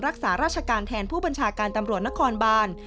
รักษาราชการแทนผู้บัญชาการตำรวจนครบาน